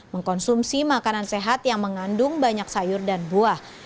mengkonsumsi makanan sehat yang mengandung banyak sayur dan buah